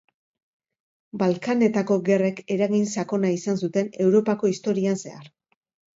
Balkanetako Gerrek eragin sakona izan zuten Europako historian zehar.